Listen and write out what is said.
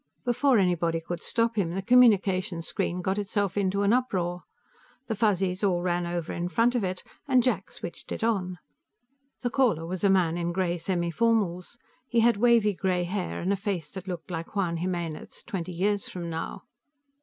Before anybody could stop him, the communication screen got itself into an uproar. The Fuzzies all ran over in front of it, and Jack switched it on. The caller was a man in gray semiformals; he had wavy gray hair and a face that looked like Juan Jimenez's twenty years from now.